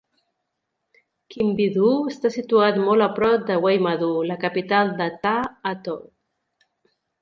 Kinbidhoo està situat molt a prop de Veymadoo, la capital de Tha Atoll.